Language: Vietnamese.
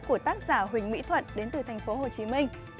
của tác giả huỳnh mỹ thuận đến từ tp hcm